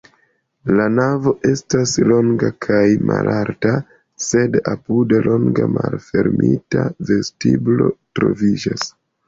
La navo estas longa kaj malalta, sed apude longa malfermita vestiblo troviĝas.